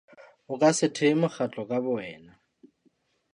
O ka se thehe mokgatlo ka bo wena.